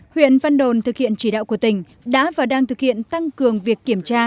huyện văn đồn thực hiện chỉ đạo của tỉnh đã và đang thực hiện tăng cường việc kiểm tra